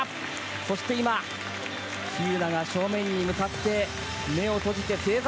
そして喜友名が正面に向かって目を閉じて正座。